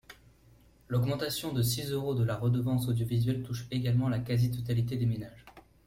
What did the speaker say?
L’augmentation de six euros de la redevance audiovisuelle touche également la quasi-totalité des ménages.